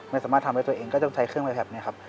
ไม่สามารถทำให้ตัวเองก็ต้องใช้เครื่องอะไรแบบนี้ครับ